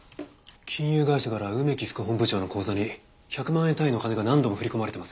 金融会社から梅木副本部長の口座に１００万円単位の金が何度も振り込まれてます。